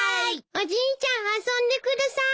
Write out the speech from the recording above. おじいちゃん遊んでください。